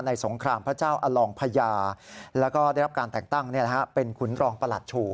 สงครามพระเจ้าอลองพญาแล้วก็ได้รับการแต่งตั้งเป็นขุนรองประหลัดชู